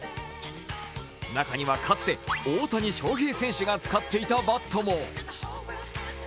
中には、かつて大谷翔平選手が使っていたバットも。